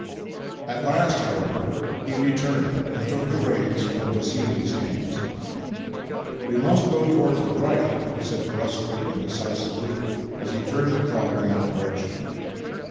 At last, however, he returned, and took the reins from Vassili's hands. " We must go towards the right," he said brusquely and decisively as he turned the cob in that direction.